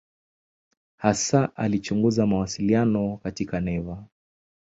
Hasa alichunguza mawasiliano katika neva.